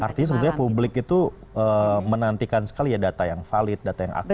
artinya sebetulnya publik itu menantikan sekali ya data yang valid data yang akurat